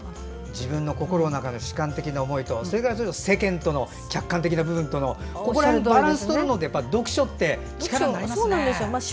自分の心の中の主観的な思いと世間の客観的な部分とここら辺、バランスとるのに読書は力になりますね。